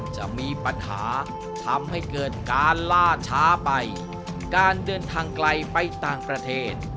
จะมีปัญหาทำให้เกิดการล่าช้าไปการเดินทางไกลไปต่างประเทศ